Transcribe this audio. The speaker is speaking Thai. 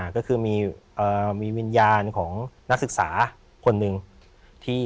ก็คือมีวิญญาณของนักศึกษาคนหนึ่งที่